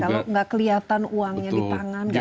kalau nggak kelihatan uangnya di tangan nggak terasa